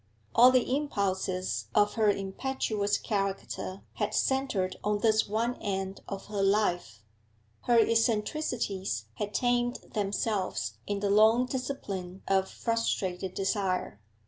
All the impulses of her impetuous character had centred on this one end of her life. Her eccentricities had tamed themselves in the long discipline of frustrated desire.